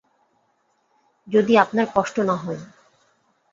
যদি আপনার কষ্ট না হয়।